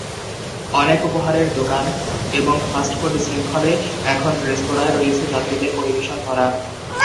অনেক উপহারের দোকান এবং ফাস্ট ফুড শৃঙ্খলে এখন রেস্তোরাঁয় রয়েছে যাত্রীদের পরিবেশন করা।